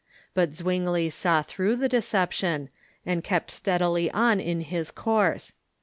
But Zwingli saw through the deception, and kept steadily on in his course.